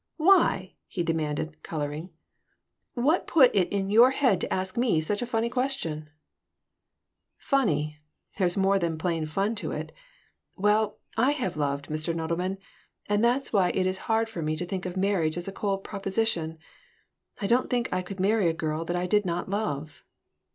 Why?" he demanded, coloring. "What put it in your head to ask me such a funny question?" "Funny! There's more pain than fun in it. Well, I have loved, Mr. Nodelman, and that's why it's so hard for me to think of marriage as a cold proposition. I don't think I could marry a girl I did not love."